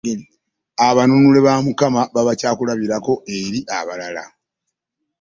Abanunule ba Mukama baba kyakulabirako eri abalala.